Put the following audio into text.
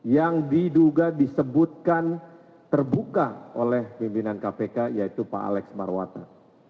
yang diduga disebutkan terbuka oleh pimpinan kpk yaitu pak alex marwata